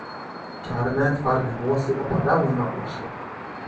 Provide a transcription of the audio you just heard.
"Czarne twarde włosy opadały na uszy."